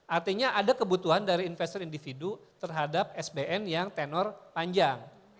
artinya ada kebutuhan dari investor individu terhadap sbn yang tenor panjang